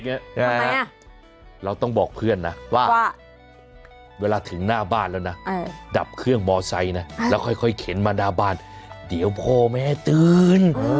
เราต้องบอกเพื่อนนะว่าเวลาถึงหน้าบ้านแล้วนะดับเครื่องมอไซค์นะแล้วค่อยเข็นมาหน้าบ้านเดี๋ยวพ่อแม่ตื่น